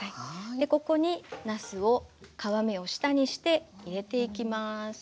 でここになすを皮目を下にして入れていきます。